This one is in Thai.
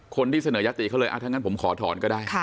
คนที่เสนอยติเขาเลยถ้างั้นผมขอถอนก็ได้